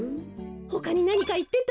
ほかになにかいってた？